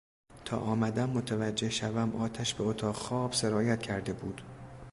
تا آمدم متوجه شوم آتش به اتاق خواب سرایت کرده بود.